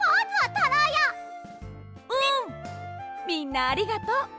みんなありがとう。